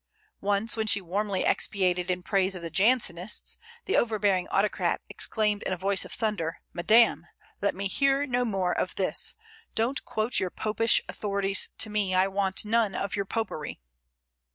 Once when she warmly expatiated in praise of the Jansenists, the overbearing autocrat exclaimed in a voice of thunder: "Madam, let me hear no more of this! Don't quote your popish authorities to me; I want none of your popery!"